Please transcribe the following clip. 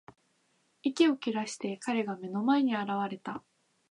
息を切らして、彼が目の前に現れた。